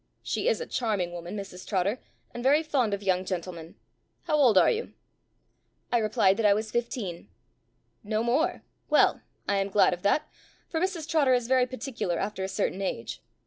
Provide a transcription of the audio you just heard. She is a charming woman, Mrs Trotter, and very fond of young gentlemen. How old are you?" I replied that I was fifteen. "No more! well, I am glad of that, for Mrs Trotter is very particular after a certain age.